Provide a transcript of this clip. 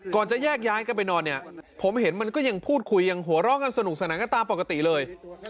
จะแยกย้ายกันไปนอนเนี่ยผมเห็นมันก็ยังพูดคุยยังหัวเราะกันสนุกสนานกันตามปกติเลย